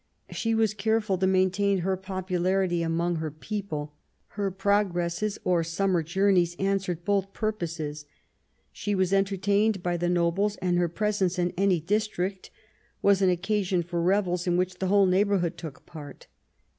She was careful to maintain her popularity among her people. Her progresses, or summer journeys, answered both purposes. She was entertained by the nobles, and her presence in any district was an occasion for revels in which the whole neighbourhood took part.